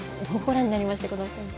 どう、ご覧になりました？